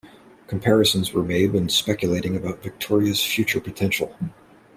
Comparisons were made when speculating about Victoria's future potential.